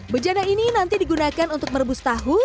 bejana ini nanti digunakan untuk merebus tahu